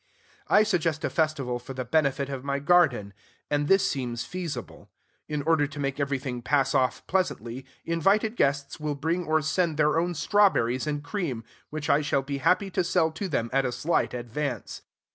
I suggest a festival for the benefit of my garden; and this seems feasible. In order to make everything pass off pleasantly, invited guests will bring or send their own strawberries and cream, which I shall be happy to sell to them at a slight advance.